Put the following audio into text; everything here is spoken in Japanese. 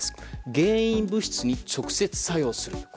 原因物質に直接作用する。